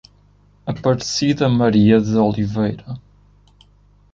Aparecida Maria de Oliveira